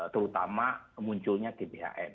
terutama munculnya gphn